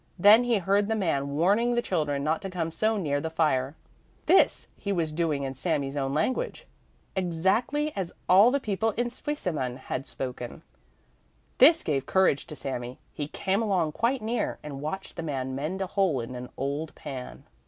Then he heard the man warning the children not to come so near the fire. This he was doing in Sami's own language, exactly as all the people in Zweisimmen had spoken. This gave courage to Sami; he came along quite near, and watched the man mend a hole in an old pan.